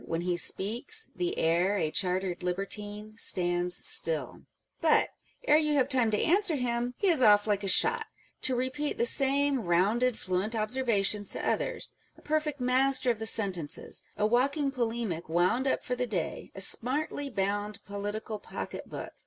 When he speaks, The air, a charter'd libertine, stands still â€" Writing/ and Speaking. 371 but, ere you have time to answer him, he is off like a shot, to repeat the same rounded, fluent observations to others : â€" a perfect master of the sentences, a walking polemic wound up for the day, a smartly bound political pocket book